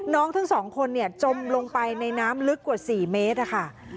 น้องทั้ง๒คนจมลงไปในน้ำลึกกว่า๔เมตรค่ะ